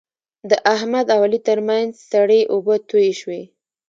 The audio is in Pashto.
د احمد او علي ترمنځ سړې اوبه تویې شوې.